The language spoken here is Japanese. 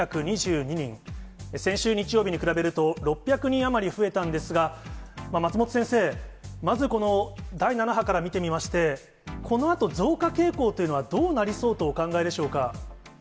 先週日曜日に比べると６００人余り増えたんですが、松本先生、まずこの第７波から見てみまして、このあと増加傾向というのは、どうなりそうとお考えでしょうか。